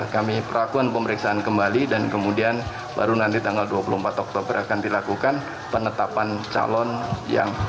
kami perakuan pemeriksaan kembali dan kemudian baru nanti tanggal dua puluh empat oktober akan dilakukan penetapan calon yang